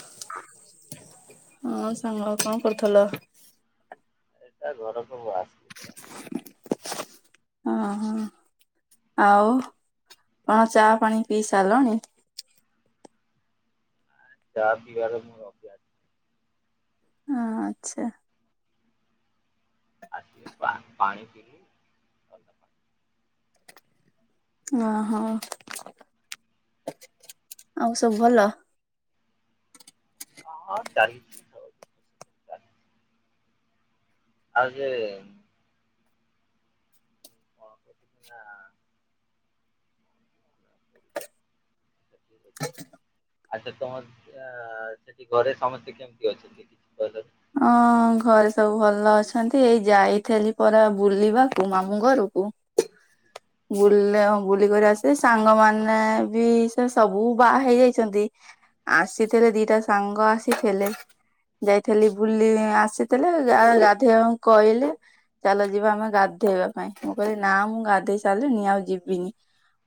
[inaudible] ହଁ ସାଙ୍ଗ କଣ କରୁଥିଲ? ସେଇଟା ଘର ସବୁ ଆସ ଓଁ ହ ଆଉ କଣ ଚା ପାଣି ପିଇ ସାରିଲଣି [unintelligible] ହ ଆଚଛା। [unintelligible] ଥଣ୍ଡା ପାଣି ଓହୋ ଆଉ ସବୁ ଭଲ? ହଁ ଚାଲି ଆଉ ସେ ହ କେଚିକଙ୍ଗ [inaudible] ଆଚ୍ଛା ତମର ଅ ସେଠି ଘରେ ସମସ୍ତେ କେମିତି ଅଛନ୍ତି କି ପସ ହଁ ଘରେ ସବୁ ଭଲ ଅଛନ୍ତି ଏଇ ଯାଇଥିଲି ପା ବୁଲିବାକୁ ମାମୁଁ ଘରକୁ [inaudible] ବୁଲ ବୁଲିକ ଆସେ ସାଙ୍ଗମାନୋନ ବି ସେ ସବୁ ବାହା ହେଇଯାଇଛନ୍ତି ଆସିଥିଲେ ଦିଟା ସାଙ୍ଗ ଆସିଥିଲେ ଯାଇଥିଲି ବୁଲି ଆସିଥିଲେ ଗାଧୋଇବାଙ୍କୁ କହିଲି। ଚାଲ ଯିବା ଆମେ ଗାଧେଇବା ପାଇଁ ମୁଁ କହିଲି ନା ମୁଁ ଗାଧେଇ ସାରିଲି ନି ଆଉ ଯିବିନି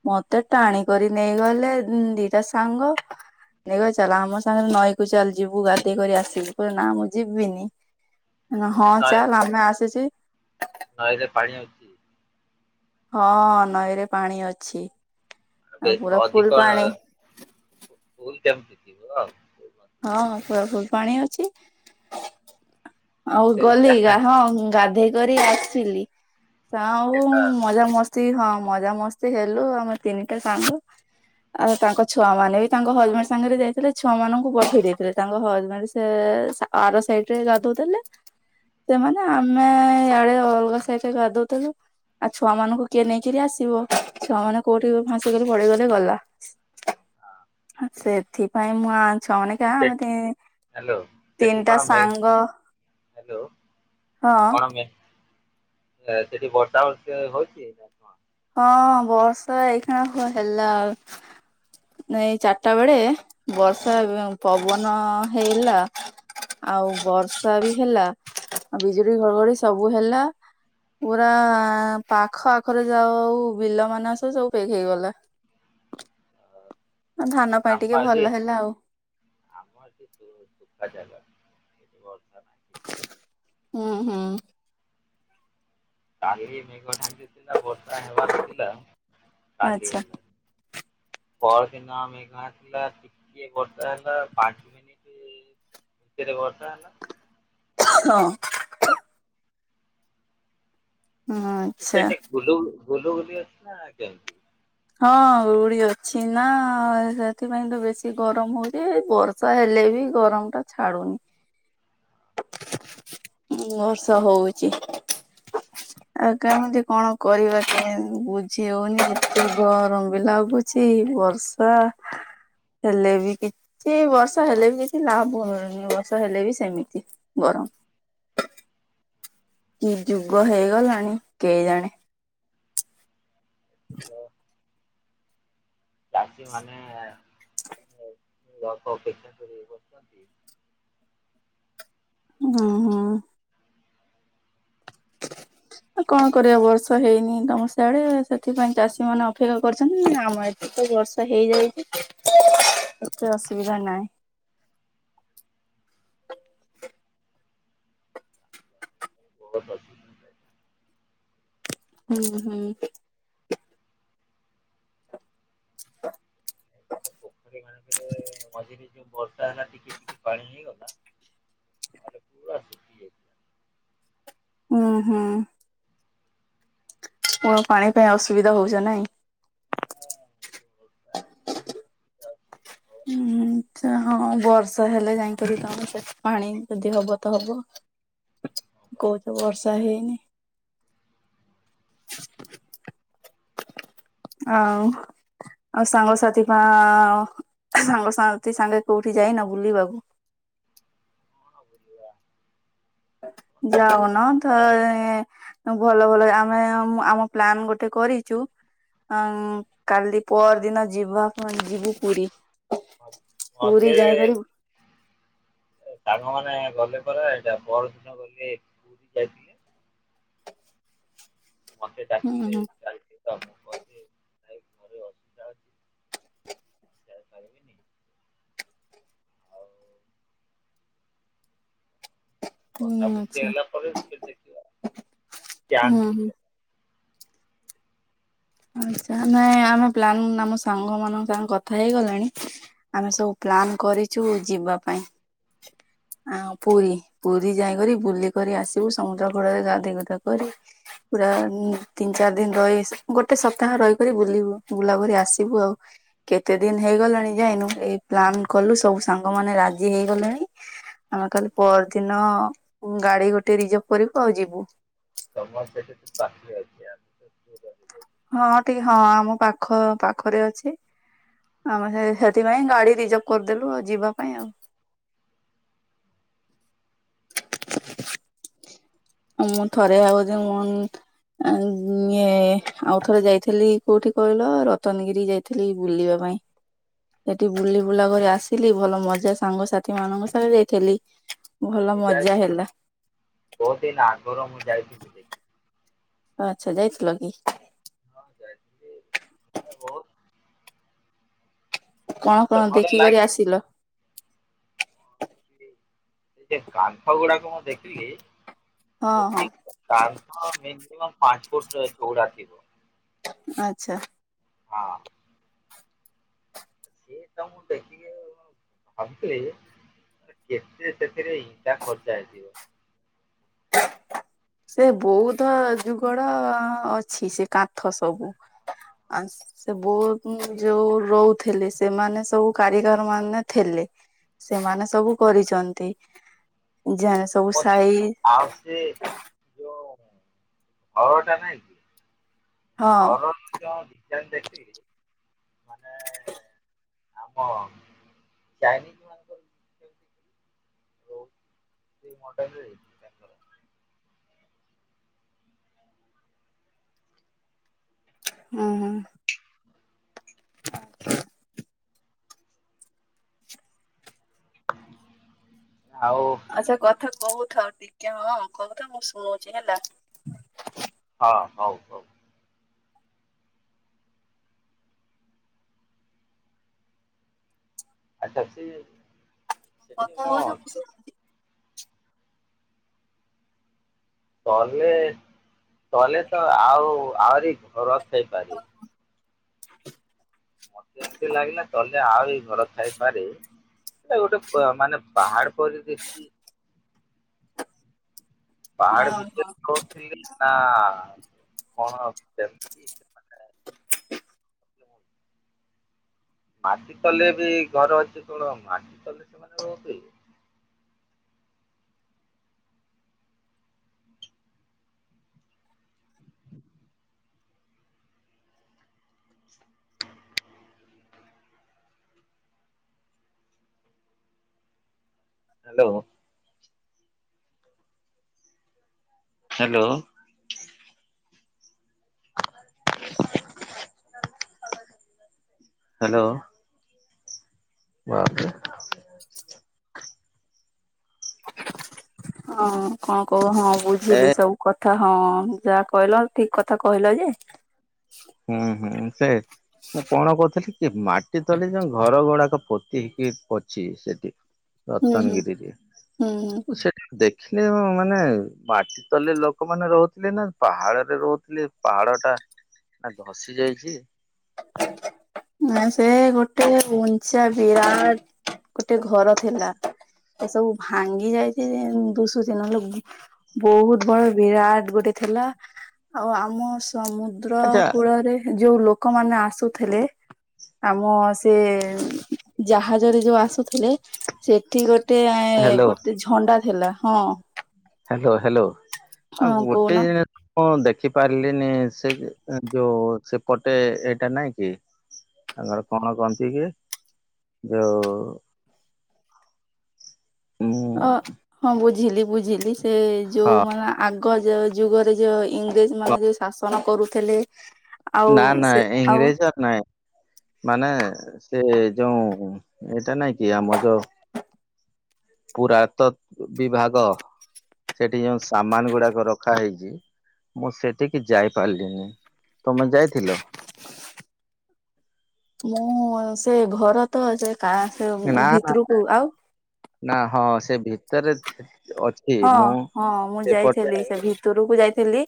ମତେ ଟାଣିକ ନେଇଗଲେ ଦିଟା ସାଙ୍ଗ ନ ଚାଲ ଆମ ସାଙ୍ଗରେ ନଈକୁ ଚାଲି ଯିବୁ ଗାଦେଇ କରି ଆସିବି ପୁରା ନାଁ ମୁ ଯିବିନି ହଁ ନଈ ଚାଲ ଆମେ ଆସିୁଛି ନଈରେ ପାଣି ଅଛି ହଁ ନଈରେ ପାଣି ଅଛି ଆଉ ପୁରା ଫୁଲ ପାଣି ଭୁଲ କେମତୀ ବ ହଁଁ ପୁରା ଫୁଲ ପାଣି ଅଛି ଆଉ ଗଲି ସେଇଟା ଗା ହଁ ଗାଧେଇ କରି ଆସିଲି ସେଇଟା ସାଉ ସେଟା ମଜାମସ୍ତି ହଁ ମଜାମସ୍ତି ହେଲୁ ଆମେ ତିନିଟା ସାଙ୍ଗ। ଆଉ ତାଙ୍କ ଛୁଆ ମ ବି ତାଙ୍କ ହଜବେଣ୍ଡ ସାଙ୍ଗରେ ଯାଇଥିଲେ ଛୁଆ ମାନଙ୍କୁ ପଠେଇ ଦେଇଥିଲେ ତାଙ୍କ ହଜବେଣ୍ଡ ସେ ଆର ସାଇଡ ରେ ଗାଧଉଥିଲେ ସେ ମମାନେ ଆମେ ଇଆଡେ ଅଲଗା ସୋଇଟା ଗାଧଉଥିଲୁ ଆଉ ଛୁଆ ମାନଙ୍କୁ କିଏ ନେଇକିରି ଆସିବ ଛୁଆ ମାନେ କୋଉଠି ଫାସିକରି ପଳେଇଗଲେ ଗଲା। ସେଥିପାଇଁ ମୁଁ ଆଣି ଛୁଆମାନେ ଆ ଆମେ ହ୍ୟାଲୋ ସେଠି କଣ ତିନିଟା ମେ ସାଙ୍ଗ ହ୍ୟାଲୋ ହଁ। କଣ ମେ ସେଠି ବର୍ଷା [unintelligible] ହଁ ବର୍ଷା ଏଇଖାଣ ହେଲା ଆଉ ଏଇ ଚାରିଟା ବେଳେ ବର୍ଷା ପବନ ହେଲା ଆଉ ବର୍ଷା ବି ହେଲା ବିଜୁଳି ଘଡଘଡି ସବୁ ହେଲା ପୁରା ପାଖ ଆଖରେ ଯାଉ ଆଉ ବିଲ ମସ ସବୁ ଫେକ୍ ହେଇଗଲା ଧାନ ପାଇଁ ଟିକେ ଭଲ ହେଲା ଆଉ ଆମର କିନ୍ତୁ ସୁୁଖା ଜାଗା [inaudible] ଁ ହୁଁ ହୁଁ। କାଲି ମେଘ ଢାଙ୍କିଥିଲା ବର୍ଷା ହେବାର ଥିଲା କାଲି ଆଚ୍ଛା ହେଲା ପରଦିନ ମେଘ ଆସିଲା ଟିକେ ବର୍ଷା ହେଲା ପାଞ୍ଚ ମିନିଟ [unintelligible] ଆଉ ହଁ। ବନ୍ଦ। ହଁ ଆଚ୍ଛା। ସେଠି ଗୁଲୁ ଗୁଲ ଗୁଲି ଅଛି ନା କେମତି? ହଁ ଗୁଳି ଅଛି ନା ସେଥିପାଇଁ ତ ବେଶୀ ଗରମ ହଉଛି ଏ ବ ଚ ହେଲେ ବି ଗରମଟା ଛାଡୁନି। ମୁଁ ବର୍ଷା ହଉଚି। ଆଉ କେମିତି କଣ କରିବା କେ ବୁଝି ହଉନି ଏତେ ଗରମ ବି ଲାଗୁଛି ବ ହ। ହେଲେ ବି କିଛି ବର୍ଷା ହେଲେ ବି କିଛି ଲାଭ ମିଳୁନି ବର୍ଷା ହେଲେ ବି ସେମିତି। ଗରମ। କି ଯୁଗ ହେଇଗଲାଣି କେଜାଣେ? ତ [inaudible] ଚାଷୀ ମାନେ [inaudible] କରୁଛନ୍ତି। ହଁ ହଁ। କଣ କରିବା ବର୍ଷା ହେଇନି ତମ ସିଆଡେ ସେଥିପାଇଁ ଚାଷୀ ମାନେ ଅପେକ୍ଷା କରିଛନ୍ତି ଆମ ଏଠି ଏତେ ବର୍ଷା ହେଇଯାଉଛି ଏତେ ଅସୁବିଧା ନାହିଁ। [inaudible] ହୁଁ ହୁଁ। [unintelligible] [inaudible] ମଝିରେ ଯୋଉ ବର୍ଷା ହେଲା ଟିକେ ଟିକେ ପାଣି ହେଇଗଲା। ନହେଲେ ପୁରା ସୁଖି ଯାଇଛି। ହୁଁ ହୁଁ। କଣ ପାଣି ପାଇଁ ଅସୁବିଧା ହଉଛ ନାଇଁ? ହୁଁ ହୁଁ ହ ବର୍ଷା ହେଲେ ଯାଇଁକରି ତମ ସେ ପାଣି ଯଦି ହବ ତ ହବ କହୁଛ ବର୍ଷା ହେଇନି [inaudible] ଆଉ ଆଉ ସାଙ୍ଗସାଥି ବା ଆ ସାଙ୍ଗସାଥି ସାଙ୍ଗେ କୋଉଠି ଯାଇନ ବୁଲିବାକୁୁ? [inaudible] ଯାଉନ ଥରେ ଉ। ଭଲ ଭଲ ଆମେ ଆମ ପ୍ଲାନ ଗୋଟେ କରିଛୁ। ହଁ! କାଲି ପରଦିନ ଯିଵା ପାଇଁ ଯିବୁ ପୁରୀ। ମତେ ପୁରୀ ଯାଇକରି। ସାଙ୍ଗମାନେ ଗଲେ ପରା ଏଇଟା ପରଦିନ ଗଲେ ପୁରୀ ଯାଇଥିଲି। ମୋତେ [inaudible] ହୁଁ ହୁଁ। ଭାଇ ଘରେ ଅସୁବିଧା ଅଛି ଯାଇପାରିବିନି ଆଉ ସବୁ ହୁଁ ସେ ଆଚ୍ଛା ହେଲା ପରେ ସେ ଦେଖଵା ହୁଁ [inaudible] ହୁଁ ଆଚ୍ଛା ନାଇଁ ଆମେ ପ୍ଲାନ ଆମ ସାଙ୍ଗ ମାନଙ୍କ ସାଙ୍ଗ କଥା ହେଇଗଲାଣି। ଆମେ ସବୁ ପ୍ଲାନ କରିଛୁ ଯିବା ପାଇଁ ଆଉ ପୁରୀ। ପୁରୀ ଯାଇକରି ବୁଲିକରି ଆସିବୁ ସମୁଦ୍ର କୂଳରେ ଗାଧୋଇ ଗୁଧା କରି। ପୁରା ତିନି ଚାରି ଦିନ ରହି ଆସିବୁ। ଗୋଟେ ସପ୍ତାହ ରହିକରି ବୁଲିବୁ ବୁଲାକରି ଆସିବୁ ଆଉ। କେତେଦିନ ହେଇଗଲାଣି ଯାଇନୁ ଏଇ ପ୍ଲାନ କଲୁ ସବୁ ସାଙ୍ଗ ମାନେ ରାଜି ହେଇଗଲେଣି। ଆମେ ଖାଲି ପହର ଦିନ ଗାଡି ଗୋଟେ ରିଜର୍ଭ କରିବୁ ଆଉ ଯିବୁ। ତମର ସେଠି ପାଖରେ ଅଛି ଆଉ। [inaudible] ହଁ ଟିକେ ହଁ ଆମ ପାଖ ପାଖରେ ଅଛି। ଆମେ ହେ ହେଥିପାଇଁ ଗାଡି ରିଜର୍ଭ କରିଦେଲୁ ଆଉ ଯିବା ପାଇଁ ଆଉ। ମୁଁ ଥରେ ଭାବୁଛି ମୁଁ। ଏ ଇଏ ଆଉ ଥରେ ଯାଇଥିଲି କୋଉଠି କହିଲ ରତନଗିରି ଯାଇଥି। ଥିଲି ବୁଲିବା ପାଇଁ। ସେଠି ବୁଲିବୁଲା କରି ଆସିଲି ଭଲ ମଜା ସାଙ୍ଗସାଥି ମାନଙ୍କ ସାଙ୍ଗରେ ଯାଇଥିଲି।। ଭଲ ମଜା ହେଲା। ବହୁତ୍ ଦିନ ଆଗରୁ ମୁଁ ଯାଇଥିଲି। ଆଚ୍ଛା ଯାଇଥିଲ କି? ହଁ ଯାଇଥିଲି ଆମେ ବହୁତ। କଣ ମତେ ତ କଣ ଭଲ ଦେଖିକରି ଲାଗେ ଆସିଲ? ମୁଁ [unintelligible] କାନ୍ଥ ଗୁଡାକ ମୁଁ ଦେଖିଲି। ହଁ ହଁ। ଗୋଟି କାନ୍ଥ ମାକ୍ସିମମ୍ ପାଞ୍ଚ ଫୁଟ ଚଉଡା ଥିବ। ଆଚ୍ଛା। ହଁ। ସେ ତ ମୁଁ ଦେଖିକି ଭାବୁଥିଲି। କେତେ ସେଥିରେ ଇଟା ଖର୍ଚା ହେଇଥିବ। [inaudible] ସେ ବୌଦ୍ଧ ଯୁଗର ଅଛି ସେ କାନ୍ଥ ସବୁ। ଆ। ସେ ବହୁତ ଯୋଉ ରହୁଥିଲେ ସେମାନେ ସବୁ କାରିଗର ମାନେ ଥିଲେ। ସେମାନେ ସବୁ କରିଛନ୍ତି ଯାହା ସବୁ ମୁଁ ସାଇ। ଦେଖିଲି ଆଉ ସେ ଯୋଉ ଘରଟା ନାଇଁକି। ହଁ [unintelligible] ସେମିତି ଦେଖିକି ମାନେ ଆମ ଚାଇ। ରହୁଛି [unintelligible] ଉଁ ହୁଁ। ଆଉ। ଆଚ୍ଛା କଥା କହୁଥାଅ ଟିକେ ହଁ କହୁଥାଉ। ମୁଁ ଶୁଣୁଛି ହେଲା। ହଁ ହଉ ହଉ। ଆଚ୍ଛା ସେ କଥା ହଉଥା ମୁଁ ଶୁଣୁଚି। ତଲେ ତଲେ ତ ଆଉ ଆହୁରି ଘର ହେଇପାରି [inaudible] ମତେ ଏମିତି ଲାଗିଲା ତଲେ ଆଉ ଏଇ ଘର ଥାଇପାରେ। ଏଗୋଟେ ମାନେ ପାହାଡ ପରି ଦେଖି ପାହାଡ ହଁ ଭିତରେ [unintelligible] ମାନେ ମାଟି ତଲେ ବି ଘରେ ଅଛି କଣ ମାଟି ତଲେ ସେମାନେ ରହୁଥିଲେ? ହ୍ୟାଲୋ। ହ୍ୟାଲୋ। ହ୍ୟାଲୋ। ବାବରେ ହଁ କଣ କହୁନୁ ହଁ ଏ ବୁଝିଲି ସବୁ କଥା ହଁ ଯାହା କହିଲ ଠିକ କଥା କହିଲ ଯେ ହୁଁ ହୁଁ ସେ ମୁଁ କଣ କହୁଥିଲି କି ମାଟି ତଲେ ଯୋଉ ଘର ଗୁଡାକ ପୋତି ହେଇକି ଅଛି ସେଠି [inaudible] ରତନଗିରିରେ ହୁଁ ସେଠି ଦେଖିଲେ ମାନେ ବା ତଲେ ଲୋକମାନେ ରହୁଥିଲେ ନା ପାହାଡରେ ରହୁଥିଲେପାହାଡ ଟା ନା ଧସି ଯାଇଛି। ନା ସେ ଗୋଟେ ଉଞ୍ଚା ବିରାଟ ଗୋଟେ ଘର ଥିଲା। ସେସବୁ ଭାଙ୍ଗି ଯାଇଛି ଦୁଶୁଛି ନହେଲେ ବହୁତ ବଡ ବିରାଟ ଗୋଟେ ଥିଲା ଆଉ ଆମ ସମୁଦ୍ର। ଆଚ୍ଛା ସମୁଦ୍ରକୂଳରେ ଯୋଉ ଲୋକମାନେ ଆସୁଥିଲେ। ଆମ ସେ ଜାହାଜରେ ଯୋଉ ଆସୁଥିଲେ। ସେଠି ଗୋଟେ ଏ ହ୍ୟାଲୋ ଗୋଟେ ଝଣ୍ଡା ଥିଲା ହଁ। ହ୍ୟାଲୋ ହ୍ୟାଲୋ ହଁ ଆଉ ଗୋଟେ। କହୁନ ହଁ ଦେଖି ପାରିଲିନି ସେ ଯୋଉ ସେପଟେ ଏଇଟା ନାଇଁ କି। ତାଙ୍କର କଣ କହନ୍ତି କିରେ ଯୋଉ। ଉଁ ଓ ହଁ ବୁଝିଲି ବୁଝିଲି ସେ ଯୋଉ ହଁ ମାନେ ଆଗ ଯୋଉ ଯୁଗରେ ଯୋଉ ଇ- ଇଂରେଜ ମାନେ ଜଉ ଶାସନ କରୁଥିଲେ। ଆଉ ନା ନା ସେ ଆଉ ଈଗ୍ରେଯେ ସା- ନାଇଁ ମାନେ ସେ ଯୋଉ ଏଇଟା ନାଇଁ କି ଆମ ଯ। ପୁରାତ ବିଭାଗ ସେଠି ଯୋଉ ସାମାନ ଗୁଡାକ ରଖା ହେଇଛି। ମୁଁ ସେଠିକି ଯାଇପାରିଲିନି ତମେ ଯାଇଥିଲ। ମୁଁ ସେ ଘର ତ ସେ କାହାସହ ନା ସେ ନା ଭିତରକୁ ଆଉ। ନା ହ ସେ ଭିତରେ। ଅଛି ହଁ ମୁଁ ହଁ ମୁଁ ସେପଟେ ଯାଇଥିଲି ସେ ଭିତରକୁ ଯାଇଥିଲି।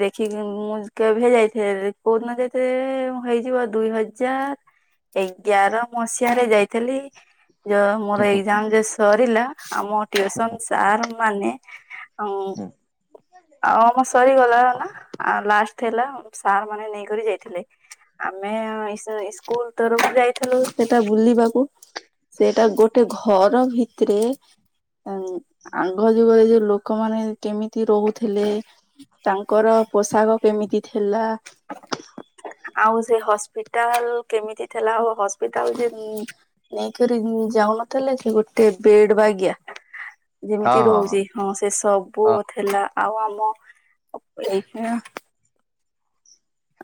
ଦେଖିକି ମୁଁ କେବେ ହେ ଯାଇଥିଲି କୋଉଦିିନ ଯାଇଥିଲେ ହେଇଯିବ ଦୁଇ ହଜାର। ଏଗ୍ୟାର ମସିହାରେ ଯାଇଥିଲି। ଯୋ ମୋର ଏକ୍ଜାମ୍ ଯେ ସରିଲା ଆମ ଟ୍ୟୁସନ୍ ସାର୍ ମାନେ ଅଁଉଁ ଆଉ ଆମ [unintelligible] ସରିଗଲା ନା ଆ ଲାଷ୍ଟ ଥିଲା ସାର୍ ମାନେ ନେଇକରି ଯାଇଥିଲେ। ଆମେ ଇସି ସ୍କୁଲ୍ ତରଫରୁ ଯାଇଥିଲୁ ସେଟା ବୁଲିବାକୁ। ସେଟା ଗୋଟେ ଘର ଭିତରେ [unintelligible] ଆଁଗ ଯୁଗରେ ଯୋଉ ଲୋକମାନେ କେମିତି ରହୁଥିଲେ ତାଙ୍କର ପୋଷାକ କେମିତି ଥିଲା ଆଉ ସେ ହସ୍ପିଟାଲ୍ କେମିତି ଥିଲା ଆଉ ହସ୍ପିଟାଲ୍ ଯେ ଉଁ ନେଇକରି ଉଁ ଯାଉନଥିଲେ କି ଗୋଟେ ବେଡ୍ ବାଗିଆ ହଁ ହଁ ଯେମିତି ହଁ ରହୁଚି ହଁ ସେ ସବୁ ହଁ ଥିଲା ଆଉ ଆମ ଏଇଖିଣା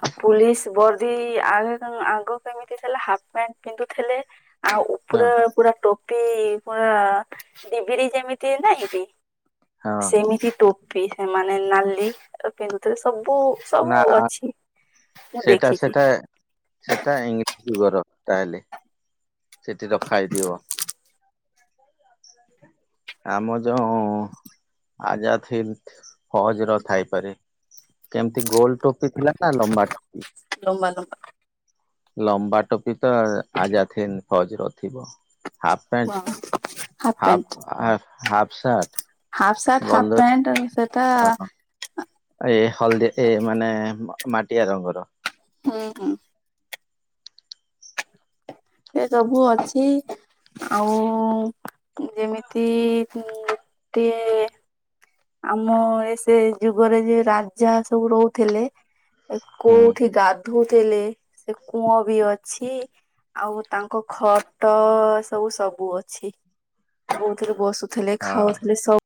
ଆ ପୁଲିସ ବର୍ଦ୍ଦି ଆଗ [unintelligible] ଆଗ କେମିତି ଥିଲା ହାପ୍ ପ୍ୟାଣ୍ଟ ପିନ୍ଧୁଥିଲେ ଆଉ ହଁ ଉପରେ ପୁରା ଟୋପି ପୁରା ଡିବିରି ଯେମିତି ନାଇଁ କି ହଁ ସେମିତି ଟୋପି ସେମାନେ ନାଲି ଏ ପିନ୍ଧୁଥିବେ ସବୁ ନା ସବୁ ଅଛି। ମୁଁ ସେଟା ଦେଖିଛି ସେଟା ସେଇଟା [unintelligible] ଯୁଗର ତାହେଲେ ସେଠି ରଖା ହେଇଥିବ। ଆମ ଯୋଉଁ ଉଁ -ଉଁ ଆଜାଦ୍ ହିନ୍ଦ୍ ଫୌଜ୍ ର ଥାଇପାରେ। କେମିତି ଗୋଲ୍ ଟୋପି ଥିଲା ନା ଲମ୍ବା ଟୋପି? ଲମ୍ବା ଲମ୍ବା। ଲମ୍ବା ଟୋପି ତ ଆଜାଦ୍ ହିନ୍ଦ୍ ଫୌଜ୍ ର ଥିବ। ହାପ୍ ଲମ୍ବା ପ୍ୟାଣ୍ଟ୍ ହାଫ ହାପ୍ ଆ half shirt half shirt half pant ଉ ସେଟା ଏ ହଲ୍ଦି ଏ ମାନେ ମାଟିଆ ରଙ୍ଗର। ହୁଁ ହୁଁ ଏ ସବୁ ଅଛି ଆଉ ଉଁ -ଉଁ ଯେମିତି ଉଁ ଟିଏ। ଆମ ଏ ସେ ଯୁଗରେ ଯେ ରାଜା ସବୁ ରହୁଥିଲେ ଏ ହୁଁ କୋଉଠି ଗାଧଉଥିଲେ ସେ କୂଅଁ ବି ଅଛି। ଆଉ ତାଙ୍କ ଖଟ ସବୁ ସବୁ ଅଛି ଯୋଉଥିରେ ବସୁ ଥିଲେ, ହଁ। ଖାଉଥିଲେ ସବ୍